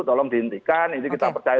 tolong dihentikan ini kita percaya